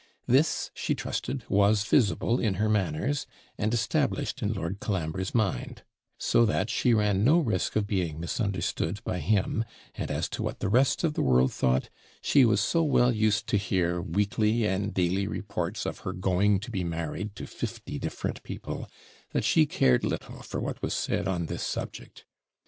This, she trusted, was visible in her manners, and established in Lord Colambre's mind; so that she ran no risk of being misunderstood by him; and as to what the rest of the world thought, she was so well used to hear weekly and daily reports of her going to be married to fifty different people, that she cared little for what was said on this subject.